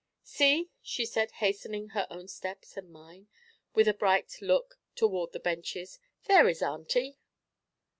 'See,' she said, hastening her own steps and mine, with a bright look toward the benches, 'there is auntie.'